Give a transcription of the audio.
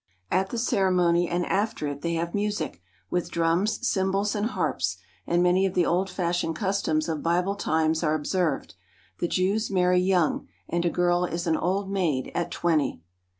At the ceremony and after it they have music, with drums, cymbals, and harps; and many of the old fashioned customs of Bible times are observed. The Jews marry young, and a girl is an old maid at twenty.